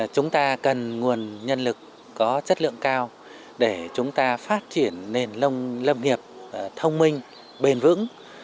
chúng ta cần nguồn nhân lực có chất lượng cao để chúng ta phát triển nền lâm nghiệp thông minh bền vững